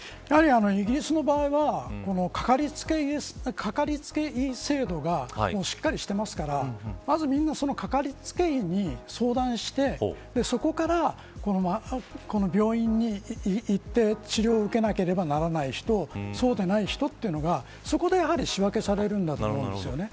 イギリスの場合はかかりつけ医制度がしっかりしてますからまず、みんなそのかかりつけ医に相談してそこから、病院に行って治療を受けなければならない人そうでない人というのがそこで仕分けされるんだと思うんですね。